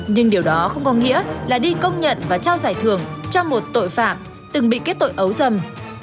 nhưng điều đó không có nghĩa là đi công nhận và trao giải thưởng cho một tội phạm từng bị kết tội ấu rầm